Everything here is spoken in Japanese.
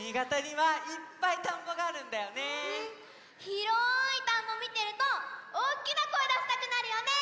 ひろいたんぼみてるとおおきなこえだしたくなるよね！